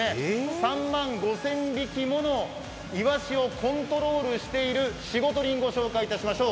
３万５０００匹ものイワシをコントロールしている仕事人、御紹介いたしましょう。